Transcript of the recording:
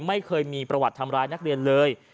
ไม่เคยมีประวัติทำร้ายนักเรียนเลย